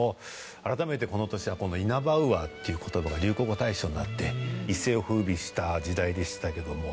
改めてこの年はこの「イナバウアー」っていう言葉が流行語大賞になって一世を風靡した時代でしたけども。